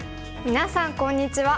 みなさんこんにちは。